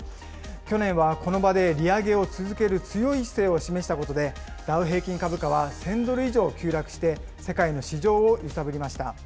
去年はこの場で利上げを続ける強い姿勢を示したことで、ダウ平均株価は１０００ドル以上急落して、世界の市場を揺さぶりました。